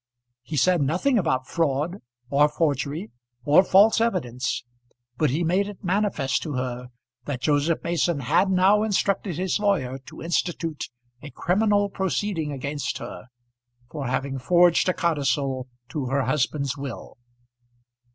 He said nothing about fraud, or forgery, or false evidence, but he made it manifest to her that Joseph Mason had now instructed his lawyer to institute a criminal proceeding against her for having forged a codicil to her husband's will.